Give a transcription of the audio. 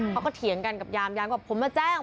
เถียงกันกับยามยามว่าผมมาแจ้ง